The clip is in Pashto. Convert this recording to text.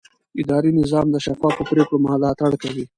اداري نظام د شفافو پریکړو ملاتړ کوي.